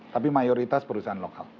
tapi mayoritas perusahaan lokal